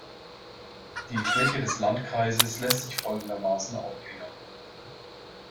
Die Fläche des Landkreises lässt sich folgendermaßen aufgliedern.